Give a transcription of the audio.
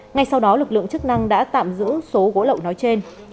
ngay sau đó lực lượng chức năng đã tạm giữ số gỗ lậu nói trên